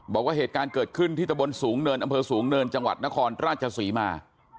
บอกว่าเหตุการณ์เกิดขึ้นที่ตะบนสูงเนินอำเภอสูงเนินจังหวัดนครราชศรีมา